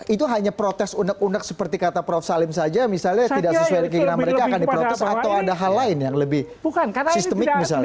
itu hanya protes unek unek seperti kata prof salim saja misalnya tidak sesuai dengan keinginan mereka akan diprotes atau ada hal lain yang lebih sistemik misalnya